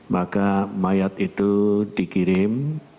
maka mayat itu dikirim